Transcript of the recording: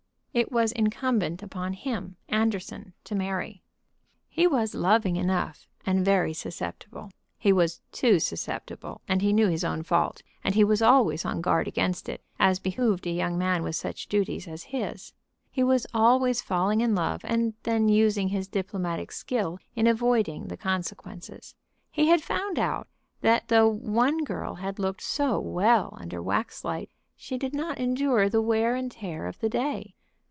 It was incumbent upon him, Anderson, to marry. He was loving enough, and very susceptible. He was too susceptible, and he knew his own fault, and he was always on guard against it, as behooved a young man with such duties as his. He was always falling in love, and then using his diplomatic skill in avoiding the consequences. He had found out that though one girl had looked so well under waxlight she did not endure the wear and tear of the day.